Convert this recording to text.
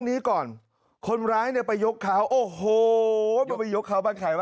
นี้ก่อนคนร้ายเนี่ยไปยกข่าวโอ้โหไปยกข่าวบ้านใครว่ะ